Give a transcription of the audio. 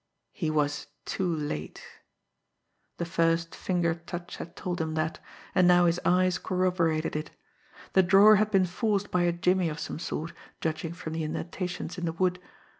He was too late! The first finger touch had told him that, and now his eyes corroborated it. The drawer had been forced by a jimmy of some sort, judging from the indentations in the wood.